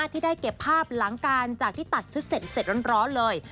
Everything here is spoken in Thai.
ที่ได้เก็บภาพหลังจากที่ตัดชุดเสร็จร้อนเลย